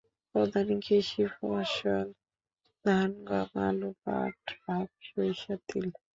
প্রধান কৃষি ফসল ধান, গম, আলু, পাট, আখ, সরিষা, তিল।